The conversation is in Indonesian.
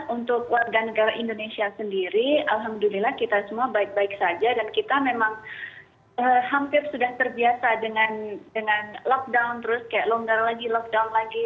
untuk warga negara indonesia sendiri alhamdulillah kita semua baik baik saja dan kita memang hampir sudah terbiasa dengan lockdown terus kayak longgar lagi lockdown lagi